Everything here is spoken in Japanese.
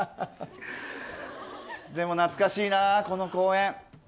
でも懐かしいなこの公園。